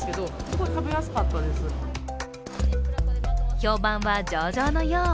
評判は上々のよう。